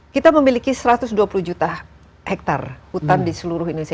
kita memiliki satu ratus dua puluh juta hektare hutan di seluruh indonesia